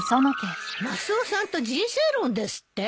マスオさんと人生論ですって？